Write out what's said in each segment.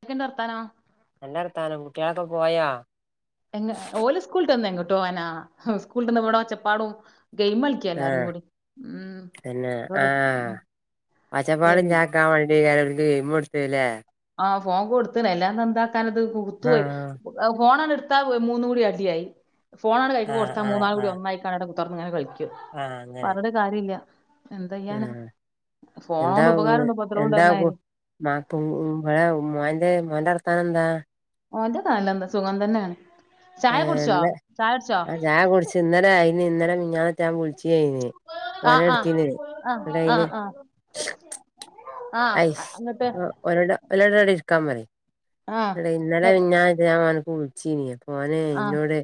എന്തൊക്കെണ്ട് വർത്താനം നല്ലവർത്താനം കുട്ടികളൊക്ക പോയോ എങ്ങ ഓല് സ് സ്കൂൾട്ടെന്ന് എങ്ങട്ട് പോകാന സ്കൂൾട്ടെന്ന് ഇബടെ ഒച്ചപ്പാടും ഗെയ്മൾ ക്കെല്ലാരും ആഹ് കൂടി ഉം [unintelligible] ഒച്ചപ്പാട് എൻ- ഇല്ലാക്ക വേണ്ടി വേഗൊരു ഗെയിം കൊടുത്തിലേ ആഹ് ഫോ കൊടുത്ത്ണ് അല്ലാന്ന് എന്താക്കാനത് കുത്തുപോയി ആഹ് ഫോണണ് ഇട്ത്താ മൂന്നും കൂടി അടിയായി ഫോണണ് കയിക്ക് ആഹ് കൊടുത്താ ആഹ് മൂന്നാളും കൂടി ആഹ് ഒന്നായി അവടെ കുത്തർന്ന് ഇങ്ങനെ കളിക്കും ആഹ് അങ്ങനെ പറഞ്ട്ട് കാര്യല്ല എന്തെയ്യാന ആഹ് ഫോണോണ്ട് ഉപകാരണ്ട് ഉപദ്രവോണ്ട്ന്ന് പറഞമാരി നാത്തൂമ്പടെ ഉമ്മാന്റെ ഉമ്മാന്റെ വർത്താനെന്താ ഓന്റെ കാലിനെന്ത സുഖം തന്നെയാണ് ചായ ഏഹ് കുടിച്ചോ ഇന്ന് കുടിച്ചോ ആഹ് ചായ കുടിച്ചു ഇന്നലെ ആയിന് ഇന്നലെ മിനിഞ്ഞാന്നറ്റെ ഞാ വിളിച്ചയ്ന് ആ ഓനാ ആ ഇട്ത്തിനെതയ് ആ ഇന്നിട്ട് ആ അയ്ന് ആ ആ അയ്ശ് അങ്ങട്ട് ഓലോട്‌ ഒലോടവടെ ഇരിക്കാൻ പറിം ആ ഇന്നിട്ട് ഇന്നലെ എ- മിനിഞ്ഞാന്ന് ഞാൻ ഓൻക്ക് വിളിച്ചീനിം അപ്പോന് ആ ഇന്നോട്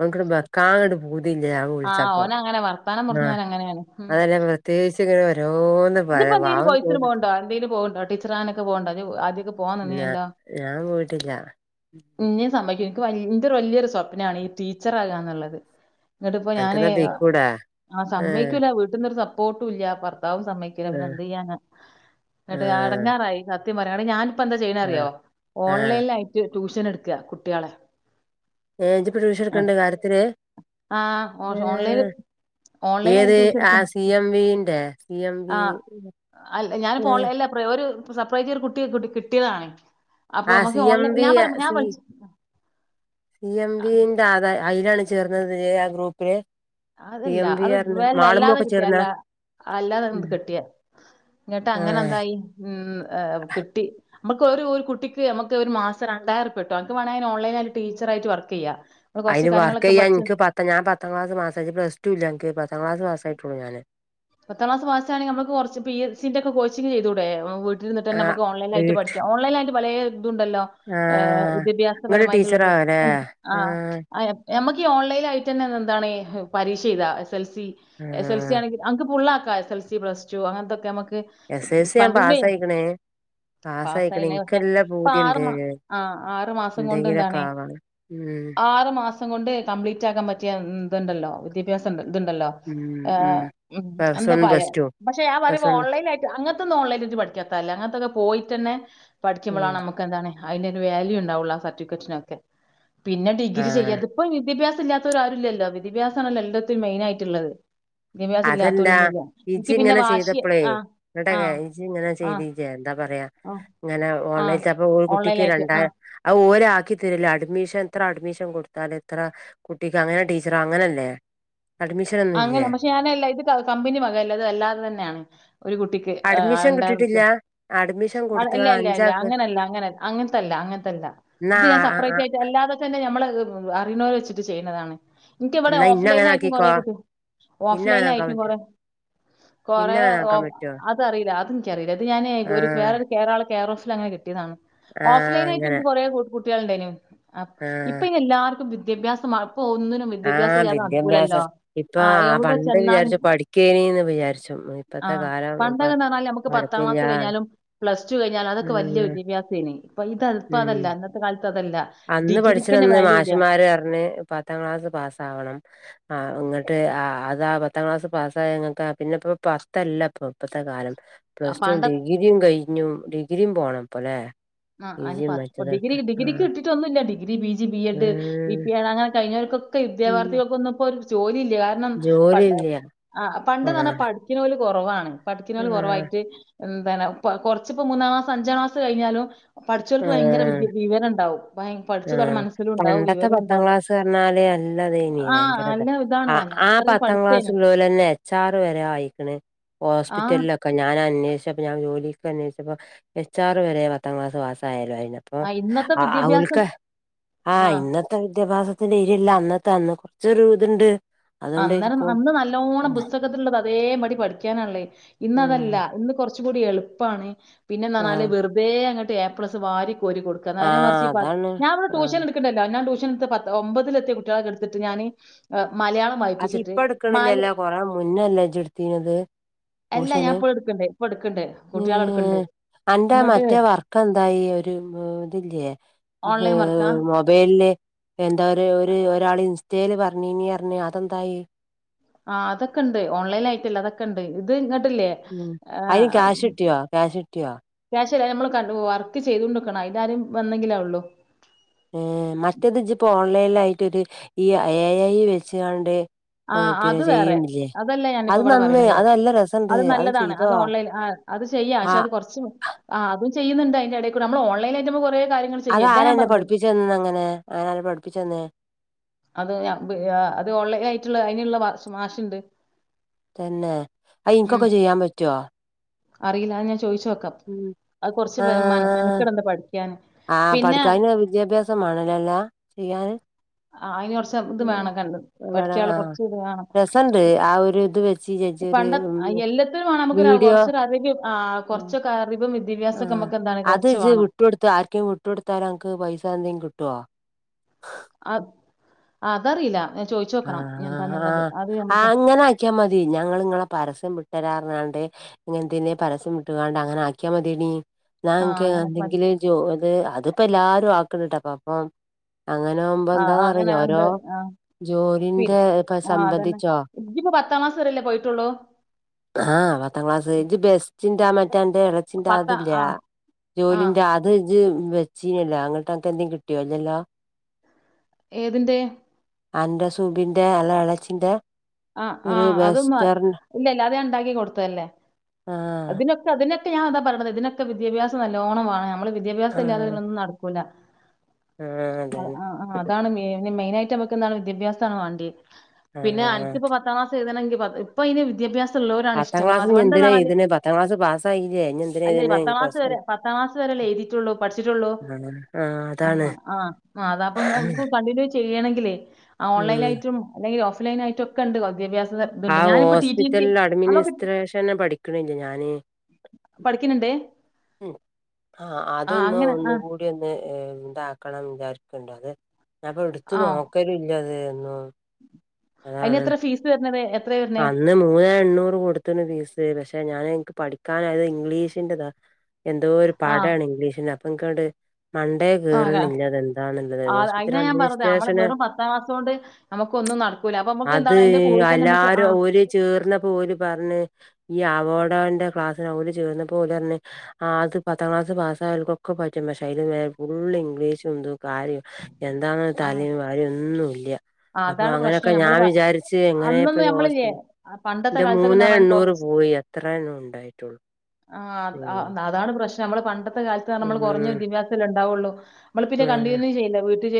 ഓൻക്കൊരു ബെ ക്കാനങ്ങട് പൂതില്ല ഞാൻ ആ വിളിച്ചപ്പോ ഓനങ്ങനെ വർത്താനം ന്നാ പറഞ്ഞവനങ്ങനെയാണ്. അതല്ല [unintelligible] പ്രത്യേകിച്ച് ഇങ്ങനെ ഓരോന്ന് ഇജ്ജ്പ്പോ പറയാ എന്തേലും പാവം കോയ്സിന് തോന്നും പോണുണ്ടോ എന്തേലും പോവ്ണ്ടോ ടീച്ചറാകാനൊക്ക പോവ്ണ്ടോ ഇജ്ജ് ആദ്യൊക്കെ പോവാൻ ഇല്ല ഞാൻ പോയിട്ടില്ല ഇഞ്ഞി സമ്മയിക്കും ഇൻക്ക് ഇന്റെ വല്യൊരു സ്വപ്നാണ് ഈ ടീച്ചറാ കാന്നുള്ളത് ഇന്നിട്ട് ഇപ്പ ഞാന് അൻക്ക്‌ന്നാ പൊയ്ക്കൂടെ ആ ഏഹ് സമ്മയ്ക്കൂല്ല വീട്ടിന്നോരു സപ്പോർട്ടും ഇല്ല ഭർത്താവും സമ്മയ്ക്കു ല പിന്നെ ആഹ് എന്ത് ചെയ്യാന ഇന്നട്ട് ഞാൻ ആഹ് എടങ്ങാറായി സത്യം പറയാണ് ഞാൻ പ്പന്താ ചെയ്യണെ അറിയോ ആഹ് ആഹ് ഓൺലൈനിലായിട്ട് ട്യൂഷന് എട്‌ക്ക കുട്ട്യാളെ ഏഹ് ഇജ്ജ്‌പ്പ ട്യൂഷൻ ആഹ് എടുക്ക്‌ണ്ട് കാര്യത്തില് ആഹ് ഓ ഓൺലൈൻൽ ഏഹ് ഏത് ഓൺലൈനായിട്ട് ട്യൂഷൻ ആ ഇട്‌ക്കാണ് സി എം വിന്റെ സി എം വി ആഹ് അല്ല ഞാൻപ്പം ഏഹ് ഓൺലൈൻ അല്ല ഒരു സർപ്രൈസ് ഒരു കുട്ടിയെ കൂടി കിട്ടിയതാണ് അപ്പൊ ആഹ് സി നമുക്ക് എം ഓൺലൈൻ ബി ഞാൻ എ പറ ഞാൻ സി വിളിച്ചു സി എം ബി താ അതാ അയ്ലാണ് ചേർന്നത് ആ ഗ്രൂപ്പില് സി അതല്ല എം വി അത് പറഞ്ഞ വെ ല അല്ലാതെ മാളുമൊക്കെ കിട്ടിയെ ചേർന്ന അല്ല അല്ലാതെ കിട്ടിയെ ഇന്നിട്ട് അങ്ങനെ ആഹ് എന്തായി ഉം എഹ് കിട്ടി അമ്മക്ക് ഒരു ഒരു കുട്ടിക്ക് അമ്മക്ക് ഒരു മാസം രണ്ടായിരം ഉർപിയ കിട്ടും അനക്ക് വേണങ്കി അയ്ൻ ഓൺലൈനായിട്ട് ടിച്ചറായിട്ട് വർക്കെയ്യ അയ്ന് വർക്കെയ്യാ ഇൻക്ക്‌ പത്ത് ഞൻ പത്താംക്ലാസ് പാസാ ജ്ജ് പ്ലസ് ട്ടൂല്ലെ അനക്ക് പത്താംക്ലാസ്പാസായിട്ടുള്ളു ഞാന് പത്താം ക്ലാ സ്സ് പാസാണെങ്കി നമ്മക്ക് കോറച്ച് പി എസ് സിന്റെക്കെ കോച്ചിങ് ചെയ്തുടെ ഹ് വീട്‌ ട്ടിലിര്ന്ന്ട്ട് ആഹ് നമ്മക്ക് ഓൺലൈനായിട്ട് വീട്ട് പഠിക്കാം ഓലൈനായിട്ട് പലെ ഇതുണ്ടല്ലോ ഏഹ് ആഹ് ഇങ്ങള് വിദ്യാഭ്യാസപരമായിട്ടുള്ളത് ടീച്ചറാവല്ലേ ആഹ് അയ് ഞമ്മക്ക് ഈ ഓൺലൈൻ ആയിട്ട്ന്നെ എന്താണ് പരീക്ഷ എയ്താ S L C S L C ആഹ് ആണെങ്കി അനക്ക്‌ ഫുള്ളാക്കാം S L C plus two അങ്ങനത്തൊക്കെ നമുക്ക് എസ് എൽ സി ഞാൻ കണ്ടിന്യു പാസ്സായിക്കണേ പാസ്സായിക്കണേ പാസായിണ് പക്ഷെ എനിക്കെല്ല ഇപ്പൊ ആറു പൂതിയുണ്ട് മാ ആഹ് ആറു മാസം കൊണ്ട് എന്തെങ്കിലൊക്കെ എന്താണ് ആവണം ഉം ആറ് മാസം കൊണ്ട് കംപ്ലീറ്റ് ആക്കാൻ പറ്റിയ ഇതുണ്ടല്ലോ വിദ്യാഭ്യാസം ഇതുണ്ടല്ലോ ഉം ഉം ഏഹ് പ്ലസ് എന്താ വൺ പയാ പ്ലസ് ടു പക്ഷെ ആ പറയ പ്ലസ് വൺ ഓൺ ലൈൻ [unintelligible] അങ്ങനത്തൊന്നും ഓൺലൈൻ ഇജ്ജ് പഠിക്കാത്തല്ലേ അങ്ങനത്തൊക്കെ പോയിട്ടന്നെ ഉം പടിക്കുമ്പഴാണ് നമുക്ക് എന്താണ് അയ്നൊരു വാല്യു ഉണ്ടാവുള്ളു ആ സർട്ടിഫിക്കറ്റിനൊക്കെ പിന്നെ ഡിഗ്രി ആഹ് ചെയ്യാത ഇപ്പൊ വിദ്യാഭ്യാസല്ലാത്തോരാരൂല്ലല്ലോ വിദ്യാഭാസണല്ലോ എല്ലത്തിനും മെയിനായിട്ടുള്ളത്. അതെന്താ ഇജ്ങ്ങനെ ചെയ്തപ്പളേ ആഹ് ഇങ്ങോട്ട് ആഹ് ഇജ്ങ്ങനെ ആഹ് ചെയ്തില്ലേ എന്താ പറയാ- ആഹ് ങ്ങനെ ഓൺലൈൻ ആഹ് ചെൽപ്പോ ഒരു കുട്ടിക്ക് ഓൺലൈനായിട്ട് ആഹ് രണ്ടായി അത് ഓരാക്കി തരോല്ലോ അഡ്മിഷൻ ഇത്ര അഡ്മിഷൻ കൊടുത്താല് ഇത്ര കുട്ടിക്ക് അങ്ങനെ ടീച്ചറ അങ്ങനല്ലേ അഡ്മിഷൻ ഒന്നും അങ്ങനെ ഇല്ലേ പക്ഷെ ഞാനെല്ല ഇത് ക കമ്പനി വകല്ല ഇത് എല്ലാറന്നെയാണ് ഒരു കുട്ടി അഡ്മിഷൻ രണ്ടായിരം റുപ്യ കിട്ടിട്ടില്ല അഡ്മിഷൻ ആ കൊടുത്തുകാണ് ഇല്ലല്ലല്ല അഞ്ചാക്ക് അങ്ങനല്ല അങ്ങന അങ്ങനത്തല്ല അങ്ങനത്തല്ല ന്നാ ഇത് ഞാൻ ആഹ് ആ സെപ്പറേറ്റ് ആ ആയിട്ട് അല്ലാതെ തന്നെ ഞമ്മള് അറിയുണോര്ച്ചിട്ട് ചെയ്യ്ണതാണ് നിക്ക്‌ ഇവിടെ എന്നാ ഇന്ന ഓഫ്ലൈൻ അങ്ങനെ ആയിട്ടും ആക്കിക്കോ കൊറേ കുട്ടികളെ - ഇന്ന അങ്ങനെ ആക്കാൻ ഓഫ്ലൈലായിട്ടും പറ്റോ കൊറെ ഇന്ന കൊറെ അങ്ങനെ ആക്കാൻ ഓഫ് പറ്റുവോ അത് അറീല്ല അത് എനിക്കറീല്ല അത് ഞാന് ഒരു ആഹ് വേറൊരു കേറാള് കേയ്റോഫിൽ അങ്ങനെ കിട്ടീതാണ് ആഹ് ഓഫ്ലൈൻ അങ്ങനെ ആയിട്ട്നിക്ക് കൊറേ കു കുട്ടികള്ണ്ടയിനു ആഹ് ഇപ്പൊ ഇനി എല്ലാർക്കും വിദ്യ വിദ്യാഭ്യാസം മാണം ഇപ്പോ ഒന്നിനും വിദ്യാഭ്യാസം ആഹ് ഇല്ലാതെ നടക്കൂലല്ലോ. വിദ്യാഭ്യാസം ഇപ്പ ആ എവിടെ പണ്ട് ചെന്നാലും വിചാരിച്ചു പഠിക്കേനീന്ന് വിചാരിച്ചു ഇപ്പത്തെ ആഹ് കാലം പണ്ടൊക്കെന്ന് പറഞ്ഞാല് നമുക്ക് പത്താം പഠിപ്പില്ല ക്ലാസ് കയ്ഞ്ഞാലും പ്ലസ് ടു കയ്ഞ്ഞാലും അതൊക്കെ വലിയ ഉം വിദ്യഭ്യാസേന് പ്പൊ ഇത് ഉം ഇപ്പതല്ല ഇന്നത്തെ കാലത്തതല്ല അന്ന് പഠിച്ചിണന്ന് മാഷ്മ്മാരറഞ്ഞ് പത്താം ക്ലാസ് പാസ്സാവണം ആ ഇങ്ങട്ട് ആ അതാ പത്താം ക്ലാസ് പാസ്സായ ങ്ങക്ക് പിന്നെ ഇപ്പ പ പത്തല്ല ഇപ്പൊ ഇപ്പത്തെ കാലം ആ, പ്ലസ് ടു പണ്ട ഡിഗ്രിയും കഴിഞ്ഞും ഡിഗ്രിയും പോണംപ്പോലെ ആഹ് അയ്ന് പ ഡിഗി ഡിഗ്രി കിട്ടിട്ടൊന്നുമില്ല degree degree P G B Ed B ഉം പി എഡ് അങ്ങനെ കഴിഞ്ഞവർക്കൊക്കെ ഉം ഉദ്യോഗാർത്ഥികൾക്കൊന്നും പ്പോ ഒരു ജോലീല്ല്യാ കാരണം പണ്ട് ജോലിയില്ല ആ പണ്ട്ന്നറഞ്ഞാ പഠിക്കുണോല് കൊറവാണ് ആ പഠിക്ക്ണോല് കൊറവായിട്ട്. എന്താണ് പ്പ കൊറച്ച്പ്പ മൂന്നാം ക്ലാസ് അഞ്ചാം ക്ലാസ് കഴിഞ്ഞാലും പഠിച്ചവർക്ക് ഭയങ്കര ആ വിവരണ്ടാവും. ആഹ് പണ്ടത്തെ പത്താം ക്ലാസ് പറഞ്ഞാല് അല്ലാതേനി ആ ഭയങ്കര നല്ല താണ് ഇതാണ് നല്ല ആ അത്രയും പത്താം പഠിച്ചേനു. ക്ലാസ്ള്ളോലന്നെ എച്ച് ആർ വരെ ആയിക്ക്‌ണ് ആ ഹോസ്പിറ്റലിലൊക്കെ ഒക്കെ ഞാനന്വേഷിച്ചപ്പോ ഞാൻ ജോലിക്ക്‌ അന്വേഷിച്ചപ്പോ എച്ച് ആറ് വരെ പത്താം ക്ലാസ് പാസായാലോ അയ്ന്. ആഹ് ഇന്നത്തെ വിദ്യാഭ്യാസം ക്ക ആ ആഹ് ഇന്നത്തെ വിദ്യാഭ്യാസത്തിന്റെ ഇരില്ല അന്നത്തെ അന്ന് കൊറച്ചൊരു ഇത്ണ്ട് അന്നേരം അന്ന് നല്ലോണം പുസ്തകത്തിലുള്ളത് അതേ പടി പഠിക്കാനാള്ളേ ഇന്നതല്ല ആഹ് ഇന്ന്- കൊറച്ച് കൂടി എളുപ്പാണ് പിന്നെന്നറഞ്ഞാല് ആഹ് വെറുതെ അങ്ങട്ട് ഏ പ്ലസ് വാരി കോരി കൊടുക്കും ക്കാ നേരെ ആഹ് മറിച്ചീ പ അതാണ് ഞാവ്ടെ ട്യൂഷൻ ആഹ് എടുക്ക്- ക്ക്ണ്ടല്ലൊ ഞാൻ ട്യൂഷനെത് ഒമ്പതിലെത്തിയ കുട്ടികള്ക്കെടുത്തിട്ട് ഞാന് മലയാളം അത് വായിപ്പിച്ചിട്ട് ഇപ്പ മല എടുക്കണില്ലല്ലോ കൊറേ മുന്നല്ലേ ജ്ജ് എടുത്തീനത് അല്ല ഞാ ട്യൂഷന് ഇപ്പളു എടുക്കണ്ട് ഇപ്പൊ എടുക്കണ്ട് ഏ കുട്ടികാളെ എടുക്കണ്ട് അന്റെ ഇങ്ങോട്ട് മറ്റേ വർക്കെന്തായി ഒരു ഇതില്ല്യേ ഓൺലൈൻ വർക്കാ മൊബൈലില് എന്താര് ഒര് ഒരാള് ഇൻസ്റ്റേല് പറഞ്ഞീനി പറഞ്ഞ് അതെന്തായി ആഹ് അതക്കെണ്ട് ഓൺ ലൈൻ ആയിട്ടുള്ള അതക്കെണ്ട് ഇത് ഇങ്ങട്ടില്ലേ ഉം അയ്ന് ക്യാഷ് കിട്ടിയോ ക്യാഷ് കിട്ടിയോ ക്യാഷ്ല്ല നമ്മൾ കണ്ടു വർക്ക് ചെയ്ത കൊണ്ട്ക്കണം അതിലാരെം വന്നെങ്കിലാ ഉള്ളൂ ഏഹ് മറ്റേത് ജ്ജ്പ്പോ ഓൺലൈനിലായിട്ടൊരു ഈ എ ഐ വെച്ച്കാണ്ട് ആ പിന്നെ അത് വേറെ ചെയ്യ്ണില്ലേ അതല്ലേ ഞാനിപ്പോ അത് ഇവിടെ നന്ന് പറയ്ണത് അത് നല്ല രസണ്ട് അത് നല്ലതാണ് ചെയ്തോ അത് ഓൺലൈല് ആ അത് ചെയ്യാം ആ പക്ഷെ അത് കൊറച്ച് ആ അതും ചെയ്യുന്നുണ്ട് അതിന്റെടെ കൂടെ നമ്മൾ ഓൺലൈലായിട്ട് കൊറേ കാര്യങ്ങള് അതാരന്നെ പഠിപ്പിച്ചു തന്നെന്നങ്ങനെ അങ്ങനരാ പഠിപ്പിച്ചു തന്നേ അത് അബ് അ അത്ഓൺലൈനായിട്ടുള്ള അയിനുള്ള മാഷ്ണ്ട് തന്നെ അയെനിക്കൊക്കെ ചെയ്യാൻ പറ്റുവൊ അറിയില്ല അത് ഞാൻ ചോയിചോക്കാം ഉം അത് കൊറച്ച് മന ആ മെനകെടൊണ്ട് പഠിക്കാന് പിന്നെ വിദ്യാഭ്യാസംമാണല്ലോല്ലാ ചെയ്യാൻ ആഹ് അയിന് കൊറച്ച് ഇത് വേണം കണ്ട് ഇവിടെ പഠിക്കാള്ള ആഹ് കൊറച്ച് ഇത് വേണം രസണ്ട് ആ ഒരു ഇത് വെച്ച് ചേച്ചി ഒരു പണ്ടത് അയ് എല്ലാത്തിലും വാണം നമുക്കൊര വീഡിയോ കൊറചോരറിവ് ആഹ് കൊറച്ചൊക്കെ അറിവും വി വിദ്യഭ്യാസൊക്കെ അമ്മക്ക് എന്താണ് കൊർച്ച് വാണം. ഇട്ട്കൊട്ത്ത ആർക്കേം വ്ട്ടൊട് ത്താല് അൻക്ക് പൈസ എന്തേകിട്ട്യോ? അത് അതറീല ഞാൻ ചോയ് ച്ചോ ആഹ് ക്കണം ഇനി എന്താന്ന്ള്ളത് അത് നമക്ക് ക്ക്യമതി ഞങ്ങള് ഇങ്ങളെ പരസ്യം പ്ട്ടരാർഞ്ഞാണ്ട്. ഇങ്ങൻത്തെന്നെ പരസ്യം ഇട്ട് കാണ്ട് അങ്ങനെ ആക്ക്യ മത്യടീ. ന്ന ആ അൻക്ക് ‌ അങ്ങനെ മതി അല്ലെങ്കില് ജോത് അത് ഇപ്പ എല്ലാരും ആക്ക്ണ്ട്ട്ടോ പ്പപ്പോ. അങ്ങനെ ആവുംപ്പം ആ ആ, എന്താന്നറി അങ്ങനെ യോ ഓരോ ഉണ്ട് ആ പി ജോലിന്റെ ഇപ്പൊ ആ അതന്നെ സംബന്ധിച്ചോ? ഇജ്ജിപ്പോ പത്താം ക്ലാസ് വരെയല്ലേ പോയിട്ടുള്ളൂ ആ പത്താം ക്ലാസ്സ് ഇത് ബെസ്റ്റിന്റെ മറ്റെ അന്റെ എളച്ചിന്റെ പത്താ ആ അതില്ലേ ആ ജോലിന്റെ അ ഇത് ജ്ജ് വെച്ചീന്യല്ലോ അങ്ങട്ട് അ ൻക്ക്‌ എന്തേ കിട്ട്യോ ഇല്ലല്ലോ? ഏതിൻ്റെ? അന്റെ സുബിന്റെ അല എളെച്ചിന്റെ. ആഹ് ആഹ് അതൊന്നു ഇല്ല ഇല്ലാ അത് നാൻ ഇണ്ടാക്കി കൊട്ത്തല്ലേ ആഹ് അത്പിന്നെ അതിനൊക്കെ ഞാനതാ പറിണത് ഇതിനൊക്കെ വിദ്യാഭ്യാസം നല്ലോ ണ്ണം വാണ്ണം അമ്മള് വിദ്യാഭ്യാസല്ല്യാതെ ആഹ് ഇതിനൊന്നും ന ട് ക്കൂല ആഹ് ആഹ്. അതാണ് മെയ്ന് മെയ്നായിട്ട് നമക്ക് എന്താണ് വിദ്യാഭ്യാസാണ് വാ ണ്ട്യാ പിന്നെഅ ആഹ് പത്താം ക്ലാസ്സ്‌ എയ്തണെങ്കി ഇപ്പ അയ്ന് വിദ്യാഭ്യാസം ഇള്ളോരാണ് പത്താം ഇഷ്ടം ക്ലാസ് അത് ഇനി എന്തിനാ കൊണ്ടന്ന്ർഞ്ഞാല് എഴുതണേ പത്താം ക്ലാസ് പാസ്സായില്ലേ ഇനി എന്തിനാ അല്ലെ എഴുതണേ പത്താം ഇനി ക്ലാസ്സ്‌ പ്ലസ് വൺ വരെ പത്താം ക്ലാസ് വരെല്ലേ എയ് തിയിട്ടൊള്ളൂ പഠിച്ച്ട്ടൊള്ളൂ ആഹ് ആഹ് ആ അതാണ് ആ ആ അതാപ്പോ നിങ്ങക്ക് കണ്ടിന്യൂ ചെയ്യണെങ്കിലെ ഓൺലൈലാ ഉം യിട്ടും അല്ലെങ്കിൽ ഓഫ്‌ലൈനാ യിട്ടും ഒക്കെ ഇണ്ട് വിദ്യാഭ്യാസ ആ ഇതുണ്ട് ഞാനിപ്പോ ടി ടി സി ഹോസ്പിറ്റല്ല് നമുക്ക് അഡ്മിനിസ്ട്രേഷെനെ പഠിക്ക്ണ് ല്ലെ ഞാന്. പഠിക്ക്ണ് ണ്ട്? മ് ആഹ് അതൊന്ന് ആ ഒന്നുകൂടി ഒന്ന് ഇതാക്കണം വിചാരിക്ക്ണ്ട് അത് ഞപ്പത് എട്ത്ത് നോക്കലില്ലാ ഇത് എന്നും. അയ്ന് എത്ര ഫീസ് വര്ന്നത് എത്രവര്ന്നെ? ഞാൻ മൂന്നെ എണ്ണൂറ് കൊട്ത്ത്ണ് ഫീസ് പക്ഷെ ഞാൻ ഇൻക്ക് പഠിക്കാന് അത് ഇംഗ്ലീഷിന്റെ ഇതാ എന്തോര് ആ പാടാണ് ഇംഗ്ലീഷിന് അപ്പഇൻക്കാട് മണ്ടേ ആ ആ കേറ്ണില്ല അതെന്താന്ന് ള്ളത് ആ, ഹോസ്പിറ്റൽ അതിനാ അഡ്മിനിസ്ട്രേഷന് അമ്മക്കൊന്നും നട്ക്കൂല അപ്പൊ നമ്മക്കെന്താണ് അയ്ന്റെ കൂടെതന്നെ നമുക്ക് ആ ര് ചേർന്നപോല് പർഞ്ഞ് ഈ അവോടോന്റെ ക്ലാസ്സിന് അവര് ചേർന്നപോലർഞ്ഞ് ആ അത് പത്താം ക്ലാസ് പാസ്സാ യോൽക്കൊക്കെ പറ്റും പക്ഷെ അയ്ല് വെ ഫുള്ള് ഇംഗ്ലീഷും ഇതും കാര്യം എന്താണ് ആ തലിം വാലും ഒന്നുല്ല്യ. ആ, അപ്പ അതാണ് അങ്ങനൊക്കെ പ്രശ്നം നമ്മൾ ഞാൻ വിചാരിച്ച് എങ്ങനെ ഇപ്പൊ അന്നൊന്നും ഹോ നമ്മളില്ലേ ആ, പണ്ടത്തെ ന്റെ കാലത്തൊക്കെ എന്ന് മൂന്നേ പറഞ്ഞാൽ എണ്ണൂറ് കുറച്ച് പോയി അത്രന്നെ ഉണ്ടായിട്ടൊള്ളൂ. ആഹ് അത് അതാണ് പ്രശ്ന നമ്മളെ പണ്ടത്തെ കാൽത്ത്ർഞ്ഞ നമ്മള് കൊർഞ്ഞ വിദ്യാഭ്യാസല്ലേ ഇ ണ്ടാവൊള്ളൂ നമ്മൾ പിന്നെ കണ്ടിന്യൂ ചെയ്യില്ല വീട്ടിൽ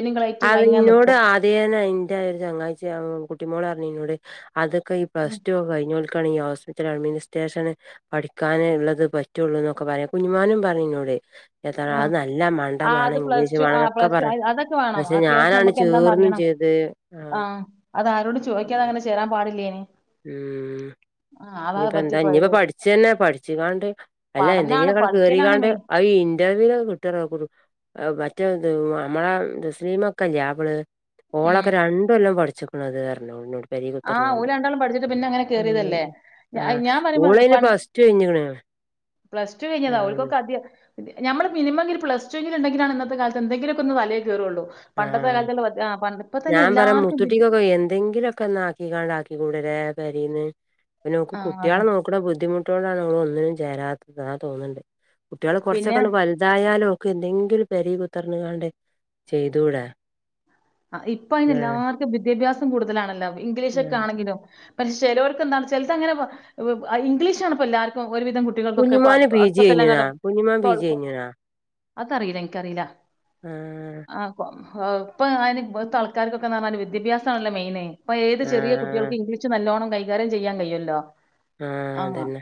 അറിഞ്ഞൂടആ അതേനേ ന്റെ ഒര് ചങ്ങായ്ച്ചി കുട്ടിമോളർഞ്ഞ്ന്നോട് അതൊക്കെ ഈ ഉം പ്ലസ്ടുക്കെ കഴിഞ്ഞോൽ ക്കാണ് ഈ ഹോസ്പിറ്റൽ അഡ്മിനിസ്ട്രേഷന്. പഠിക്കാന്ള്ളത് പറ്റൊള്ളൂന്നൊക്കെ പറ്യാ കുഞ്ഞുമാനും പർഞ്ഞിന്നോ ടെ. എതാ ആഹ് നല്ല ആഹ് അത് മണ്ടമാണം ഇംഗ്ലീഷ് പ്ലസ് ടു വേണം ആ എന്നൊക്കെ പ്ലസ്ടു പറഞ്ഞു അതൊക്കെ വേണം പക്ഷെ അത്യാവശ്യം ഞാനാണ് അമ്മക്ക് ചേർന്നും എന്താന്നറിയണം ചെയ്ത് ആ. ആഹ് അതാരോടും ചോയ്ക്കാതെ അങ്ങനെ ചേരാൻ പാടില്ലേനീ ഉം. ഇഞ്ഞ്പ്പം എന്താ ഇഞ്ഞ്പ്പം പഠിച്ച ന്നെ പഠിച്ച്കാണ്ട് അല്ല പഠനാണ് എന്തെങ്കിലുംഒക്കെ പഠിക്കലാണ് കേറികാണ്ട് മെയിൻ. അത് ഈ ഇന്റർവ്യൂൽ കിട്ടൊർ ഞ്ഞപ്പം മറ്റേ അമ്മളെ തസ്ലീമ ക്കെല്ലേ ആവള്. ഉം ഓളൊക്കെ രട്ടൊല്ലം പഠിച്ചിക്ക്ണതർഞ്ഞ് ഓള്ന്നോട്. പെരി ആഹ് കുത്തർന്നാണ്ട് ഓല് രണ്ടാളും പഠിച്ചിട്ട് പിന്നെ അങ്ങനെ ഉം കേറിയതല്ലേ. ആ ഞാ- ഞാൻ ഓളൈന് പ്ലസ് ടു കയ്ഞ്ഞ്ണ്. പ്ലസ്ടു കയ്ഞ്ഞതാ ഓൽക്കൊക്ക അത്യാ ഞമ്മള് മിനിമംങ്കി പ്ലസ് ടു ഉണ്ടെങ്കിലാണ് ഇന്നത്തെ കാലത്ത് എന്തങ്കിലൊക്കൊന്ന് തലെ കേറൊ ള്ളൂ. ആഹ് ഞാൻ പറയാ എല്ലാർക്കും വിദ്യ മുത്തട്ടിക്കൊക്കെ എന്തെങ്കിലൊക്കെ ഒന്ന് ആക്കി ക്കിങ്ങാണ്ട് ആക്കിക്കൂടെലേ പെരീന്ന് അയിന്നോക്ക് ആ അതെ കുട്ടികളെ നോക്ക ക്കടെ ബുദ്ധിമുട്ടോണ്ടാണ് ഓള് ഒന്നിനും ചേരാത്തത് ന്ന് തോന്ന്ണ് ണ്ട് കുട്ടേള് പിന്നെ കുറച്ചൊക്കണ്ട് വല്താ വൽതായാല് ഒൾക്ക് എന്തെങ്കിലും പെരി കുത്തിർന്ന് കാണ്ടേ ചെയ്തുടെ ഇപ്പൊ അയിന് എല്ലാർക്കും വിദ്യാഭ്യാസം കൂടുതലാണല്ലോ ഇംഗ്ലീഷ്ഒക്കെ ആഹ് ആണെങ്കിലും പക്ഷെ ചെലോർക്ക്‌ എന്താന്നോ ചെലത് അങ്ങനെ ഇംഗ്ലീഷ് ആണ്പ്പോ എല്ലാർക്കും ഒരുവിധം കുട്ടികൾക്കൊക്കെ ഇപ്പൊ കുഞ്ഞുമോന് പി അടു ജി കഴിഞ്ഞ്ണാ പ്പത്തെല്ലാക്കാരം കുഞ്ഞുമോൻ പി ജി കഴിഞ്ഞ്ണാ അതറിയില്ല എനിക്കറിയില്ല ആഹ് ആഹ് ഇപ്പ അയിന് പ്പത്തെ ആൾക്കാർക്കൊക്കെ പറഞ്ഞാല് വിദ്യാഭ്യാസാണല്ലേ മെയിന് ഇപ്പൊ ഏത് ചെറിയ ആഹ് കുട്ടികൾക്ക ഇംഗ്ലീഷ് നല്ലോണം കൈകാര്യം ചെയ്യാൻ കയ്യുല്ലോ ആഹ് അതന്നെ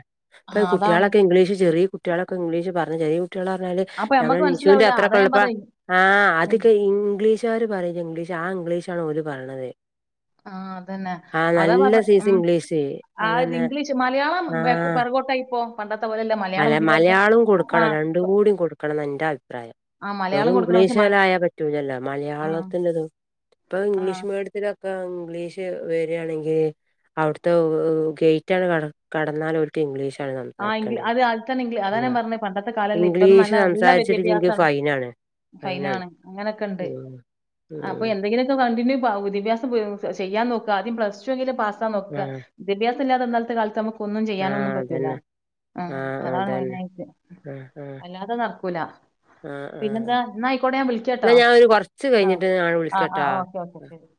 പ്പൊ അതാണ് കുട്ടിളേക്കെ ഇംഗ്ലീഷ് ചെറിയ കുട്ടികളൊക്കെ ഇംഗ്ലീഷ് പറഞ്ഞ്ചെറിയ കുട്ടികളേ പറഞ്ഞാല് അപ്പൊ നമ്മളെ നമ്മക്ക് നിഷുന്റെ മനസ്സിലാവൂല. അതാ അത്രൊക്കെ ഞാൻ ഉള്ളപ്പൊ പറഞ്ഞേ. ആഹ് ഉം. അതൊക്കെ ഇംഗ്ലീഷ് മറ്റോര് പറയില്ലേ ഇംഗ്ലീഷ് ആ ഇംഗ്ലീഷാണ് ഓല് പറയ്ണത് ആഹ് അതന്നെ അതാ പറഞ്ഞ സൈസ് ഉം ഇംഗ്ലീഷ് ആത് അതന്നെ ഇംഗ്ലീഷ് മലയാളം ബേക് പെറകോട്ടായിപ്പോ പണ്ടത്തെ പോലെയല്ല അല മലയാളം വിദ്യാഭ്യാസം. മലയാളം ആ കൊടുക്കണം രണ്ടും കൂടി കൊടുക്കണംന്ന ന്റെ അഭിപ്രായം ആ മലയാളം വെറും കൊടുക്കണം. പക്ഷെ ഇംഗ്ലീഷ് മൽ ആയാ പറ്റൂലല്ലോ ആ മലയാളത്തിലതും ഇപ്പൊ ആ ഇംഗ്ലീഷ് മീഡിയത്തില് ഇപ്പോ ഇംഗ്ലീഷ് വരിയാണെങ്കിൽ അവിടുത്തെ ഗേറ്റ് അങ്ങ്ട്ട്ണ് കട കടന്ന പിന്നെ ഇംഗ്ലീഷാണ് സംസാരിക്കേണ്ടത് ഒക്കെന്ന് ഇംഗ്ലീഅതാ ഞാൻ പറഞ്ഞെ പണ്ടത്തെ കാലല്ല ഇപ്പൊന്ന് ഇംഗ്ലീഷ് നല്ല സംസാരിച്ചിട്ടില്ലെങ്കിൽ വിദ്യാഭ്യാസാണ് ഫൈനാണ് ഫൈന് ഫൈനാണ് ആണ് അങ്ങനൊക്കെണ്ട് ഉം ഉം അപ്പൊ എന്തെങ്കിലൊക്കെ കണ്ടിന്യൂ പാവുതി ഭ്യാസം ചെയ്യാൻ നോക്കാ ആദ്യം പ്ലസ് ടു എങ്കിലും പാസാ നോക്കാ ആഹ് വിദ്യാഭ്യസം ഇല്ലാതെ ഇന്നാലത്തെ കാലത്ത് നമുക്ക് ഒന്നും ആഹ് ചെയ്യാനൊന്നും പറ്റൂല്ല അതന്നെ ആഹ് അതാണ് മയിനായിട്ട് ആഹ് ആഹ് അല്ലാതെ നടക്കൂല ആഹ് ആഹ് പിന്നെന്താ എന്നാ അയ്ക്കോട്ട ഞാൻ എന്നാ വിളിക്കാട്ടോ ഞാൻ ഒരു കൊറച്ച് ആഹ് കഴിഞ്ഞിട്ട് ഞാൻ ആഹ് വിളിക്കട്ടാ ആഹ് ഓക്കെ ഓക്കെ ശരി